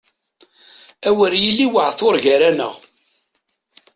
A wer yili waɛtur gar-aneɣ!